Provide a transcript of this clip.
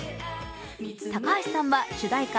高橋さんは主題歌